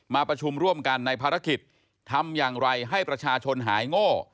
มาประชุมร่วมกันในภารกิจทำอย่างไรให้ประชาชนหายโง่